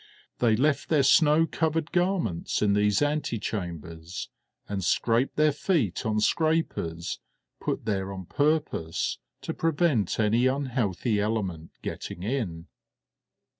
They left their snow covered garments in these antechambers, and scraped their feet on scrapers put there on purpose to prevent any unhealthy element getting in.